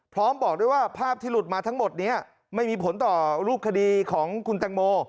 บอกด้วยว่าภาพที่หลุดมาทั้งหมดนี้ไม่มีผลต่อรูปคดีของคุณแตงโม